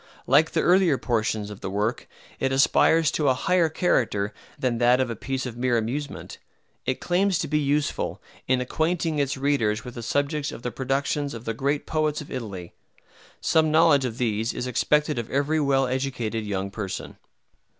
Like the earlier portions of the work, it aspires to a higher character than that of a piece of mere amusement. It claims to be useful, in acquainting its readers with the subjects of the productions of the great poets of Italy. Some knowledge of these is expected of every well educated young person.